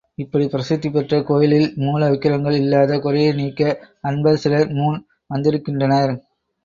இப்படி பிரசித்தி பெற்ற கோயிலில் மூல விக்கிரகங்கள் இல்லாத குறையை நீக்க அன்பர் சிலர் மூன் வந்திருக்கின்றனர்.